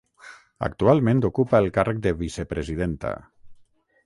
Actualment ocupa el càrrec de vicepresidenta.